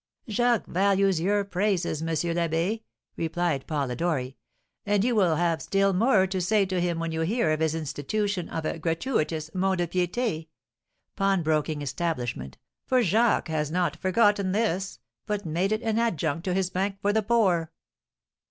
"Jacques values your praises, Monsieur l'Abbé," replied Polidori. "And you will have still more to say to him when you hear of his institution of a gratuitous Mont de Piété (pawnbroking establishment), for Jacques has not forgotten this, but made it an adjunct to his Bank for the Poor."